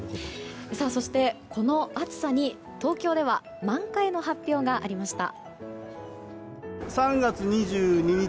そして、この暑さに東京では満開の発表がありました。